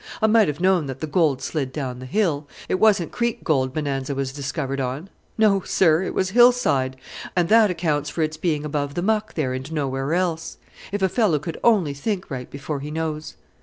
I might have known that the gold slid down the hill. It wasn't creek gold Bonanza was discovered on no, sir, it was hillside. And that accounts for its being above the muck there and nowhere else. If a fellow could only think right before he knows!"